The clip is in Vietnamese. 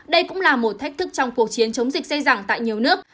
đây cũng là một thách thức trong cuộc chiến chống dịch xây dựng tại nhiều nước